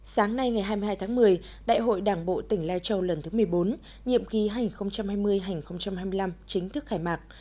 sáng nay ngày hai mươi hai tháng một mươi đại hội đảng bộ tỉnh lai châu lần thứ một mươi bốn nhiệm ký hai nghìn hai mươi hai nghìn hai mươi năm chính thức khai mạc